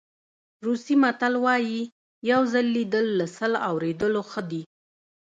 روسي متل وایي یو ځل لیدل له سل اورېدلو ښه دي.